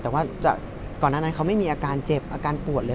แต่ว่าก่อนหน้านั้นเขาไม่มีอาการเจ็บอาการปวดเลย